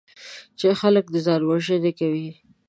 چې خلک ځانوژنې کوي.